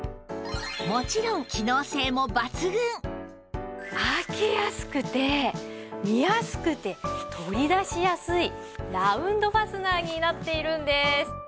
もちろん開けやすくて見やすくて取り出しやすいラウンドファスナーになっているんです。